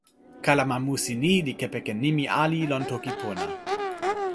kalama musi ni li kepeken nimi ali lon toki pona!